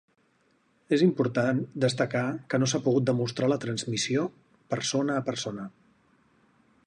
És important destacar que no s'ha pogut demostrar la transmissió persona a persona.